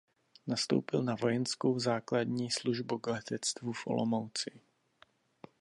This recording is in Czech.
Nastoupil na vojenskou základní službu k letectvu v Olomouci.